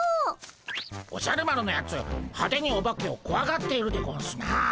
おじゃる丸のやつ派手にオバケをこわがっているでゴンスな。